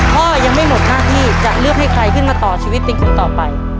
พ่อยังไม่หมดหน้าที่จะเลือกให้ใครขึ้นมาต่อชีวิตเป็นคนต่อไป